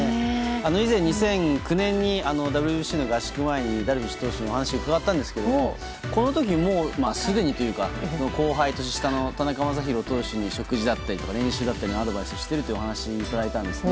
以前２００９年にＷＢＣの合宿前にダルビッシュ投手にお話を伺ったんですがこの時もすでに後輩、年下の田中将大投手に食事や練習のアドバイスをしているという話をいただいたんですね。